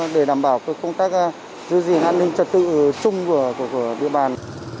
để đảm bảo công tác giữ gìn an ninh trật tự chung của địa bàn